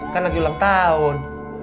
kan lagi ulang tahun